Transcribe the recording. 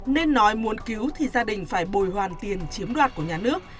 nên nói muốn cứu thì gia đình phải bồi hoàn tiền chiếm đoạt của nhà nước